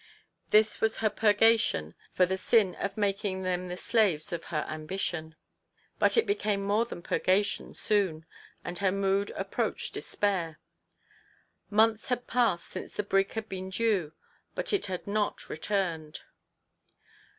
This was her purgation for the sin of making them the slaves of her ambition. But it became more than purgation soon, and her mood approached despair. Months had passed since the brig had been due, but it had not returned.